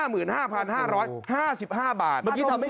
เมื่อกี้ทำไม่ครบเอาใหม่